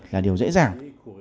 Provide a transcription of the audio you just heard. là điều dễ dàng